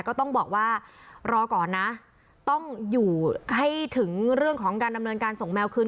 ก็ต้องบอกว่ารอก่อนนะต้องอยู่ให้ถึงเรื่องของการดำเนินการส่งแมวคืน